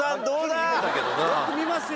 よく見ますよ。